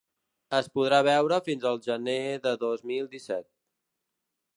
Es podrà veure fins al gener de dos mil disset.